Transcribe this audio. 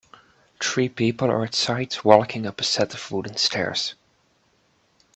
Three people are outside walking up a set of wooden stairs.